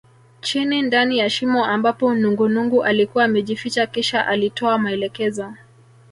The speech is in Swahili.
Chini ndani ya shimo ambapo nungunungu alikuwa amejificha kisha alitoa maelekezo